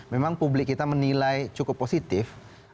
memang publik kita menilai cukup positif